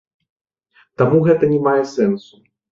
Таму гэта не мае сэнсу.